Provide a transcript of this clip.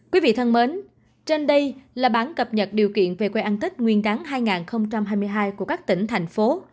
quý vị thân mến trên đây là bản cập nhật điều kiện về quê ăn tết nguyên đáng hai nghìn hai mươi hai của các tỉnh thành phố